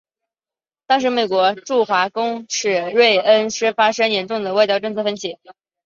与当时美国驻华公使芮恩施发生严重的外交策略分歧。